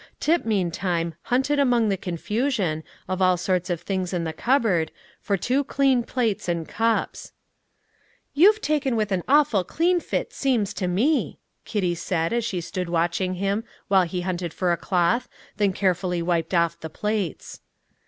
Tip, meantime, hunted among the confusion, of all sorts of things in the cupboard, for two clean plates and cups. "You're taken with an awful clean fit, seems to me," Kitty said, as she stood watching him while he hunted for a cloth, then carefully wiped off the plates.